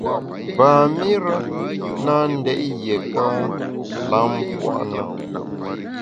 Pam-ire na ndét yiéka lam pua’ na.